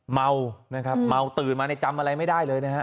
เมานะครับเมาตื่นมาในจำอะไรไม่ได้เลยนะฮะ